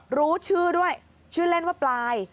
รู้ชื่อด้วยชื่อเล่นว่าปลาย